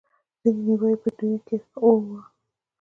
ځینې وايي په دوی کې اوه وو.